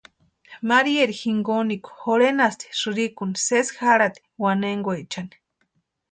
Marieri jinkonikwa jorhenasti sïrikuni sesi jarhati wanenkwechani.